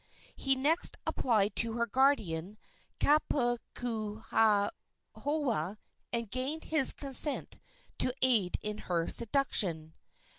He next applied to her guardian, Kapukaihaoa, and gained his consent to aid in her seduction.